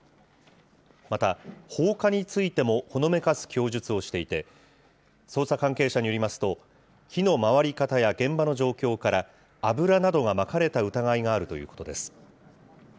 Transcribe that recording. また放火についてもほのめかす供述をしていて、捜査関係者によりますと、火の回り方や現場の状況から、油などがまかれた疑いがあるということです。